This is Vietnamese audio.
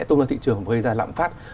tôn ra thị trường và gây ra lạm phát